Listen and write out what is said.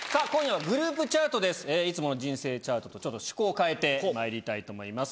いつもの「人生チャート」とちょっと趣向を変えてまいりたいと思います！